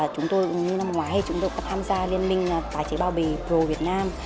chúng tôi như năm ngoái chúng tôi có tham gia liên minh tài chế bao bề pro việt nam